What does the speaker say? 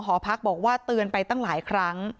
หอพักบอกว่าเตือนไปตั้งหลายครั้ง